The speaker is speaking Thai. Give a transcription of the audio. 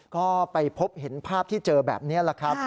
ก็ไปพบเห็นภาพที่เจอแบบนี้แหละครับ